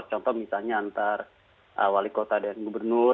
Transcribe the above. contoh misalnya antar wali kota dan gubernur